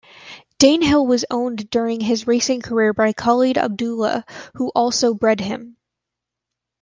Danehill was owned during his racing career by Khalid Abdullah, who also bred him.